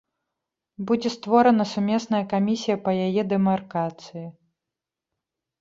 Будзе створана сумесная камісія па яе дэмаркацыі.